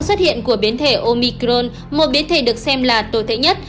sự xuất hiện của biến thể omicron một biến thể được xem là tồi thế nhất